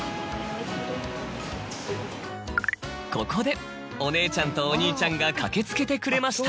ここでお姉ちゃんとお兄ちゃんが駆け付けてくれました。